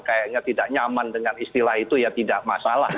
kayaknya tidak nyaman dengan istilah itu ya tidak masalah